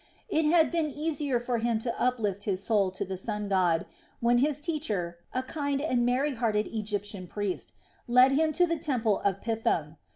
It had been easier for him to uplift his soul to the sun god, when his teacher, a kind and merry hearted Egyptian priest, led him to the temple of Pithom.